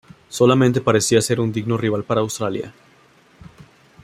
Solamente parecía ser un digno rival para Australia.